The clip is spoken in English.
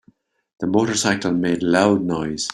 The motorcycle made loud noise.